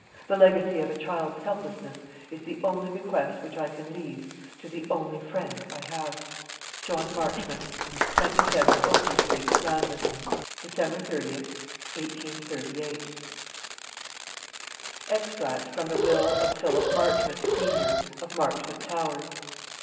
The legacy of a child's helplessness is the only bequest which I can leave to the only friend I have. "JOHN MARCHMONT. "27, OAKLEY STREET, LAMBETH, "December 30_th_, 1838. "EXTRACT FROM THE WILL OF PHILIP MARCHMONT, SENIOR, OF MARCHMONT TOWERS.